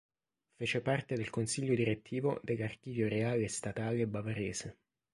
Fece parte del consiglio direttivo dell'archivio reale e statale bavarese.